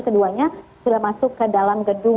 keduanya sudah masuk ke dalam gedung